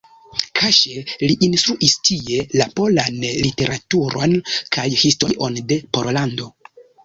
Kaŝe li instruis tie la polan literaturon kaj historion de Pollando.